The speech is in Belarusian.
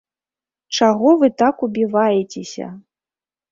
Чаго вы так убіваецеся?